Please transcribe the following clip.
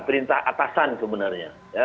perintah atasan sebenarnya